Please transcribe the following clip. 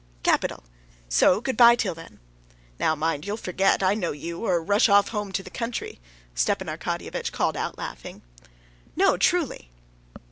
"Capital. So good bye till then." "Now mind, you'll forget, I know you, or rush off home to the country!" Stepan Arkadyevitch called out laughing. "No, truly!"